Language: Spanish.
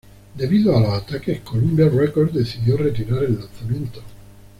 Debido a los ataques, Columbia Records, decidió retirar el lanzamiento.